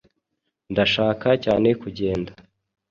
Ndashaka cyane kugenda.